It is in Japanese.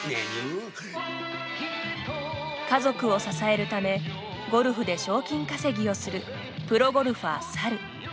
家族を支えるためゴルフで賞金稼ぎをする「プロゴルファー猿」。